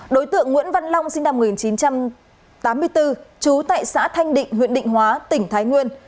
đối tượng nguyễn văn long sinh năm một nghìn chín trăm tám mươi bốn trú tại xã thanh định huyện định hóa tỉnh thái nguyên